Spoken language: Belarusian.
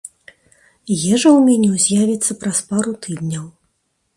Ежа ў меню з'явіцца праз пару тыдняў.